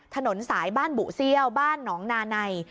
ถนนสายบ้านบุเซี่ยวบ้านหนองนาใน